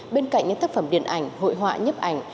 bên cạnh những tác phẩm điện ảnh hội họa nhấp ảnh